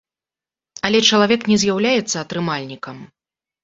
Але чалавек не з'яўляецца атрымальнікам.